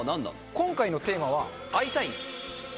今回のテーマは、会いたい！